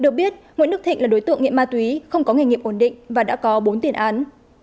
được biết nguyễn đức thịnh là đối tượng nghiện ma túy không có nghề nghiệp ổn định và đã có bốn tiền án